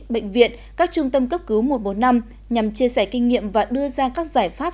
bệnh viện các trung tâm cấp cứu một trăm một mươi năm nhằm chia sẻ kinh nghiệm và đưa ra các giải pháp